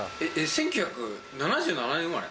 １９７７年生まれ？